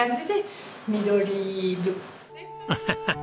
ハハハハ！